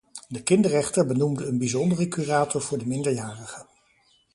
De kinderrechter benoemde een bijzondere curator voor de minderjarige.